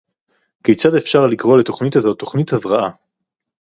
כיצד אפשר לקרוא לתוכנית הזאת תוכנית הבראה